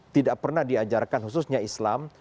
tidak pernah diajarkan khususnya islam